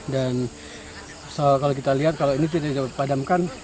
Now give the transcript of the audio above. dan kalau kita lihat kalau ini tidak dipadamkan